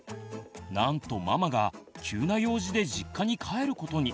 なんとママが急な用事で実家に帰ることに。